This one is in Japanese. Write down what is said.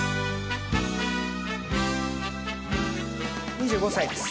「２５歳です」